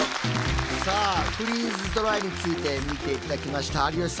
さあフリーズドライについて見て頂きました。